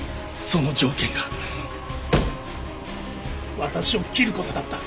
その条件が私を切る事だった！